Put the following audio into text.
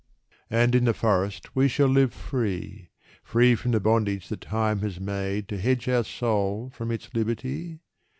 "And in the forest we shall live free, Free from the bondage that Time has made To hedge our soul from its liberty?